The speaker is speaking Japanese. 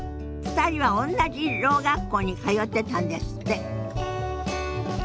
２人はおんなじろう学校に通ってたんですって。